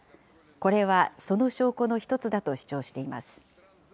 これはその証拠の一つだと主張しています。